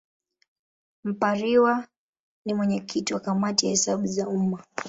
Mpariwa ni mwenyekiti wa Kamati ya Hesabu za Umma.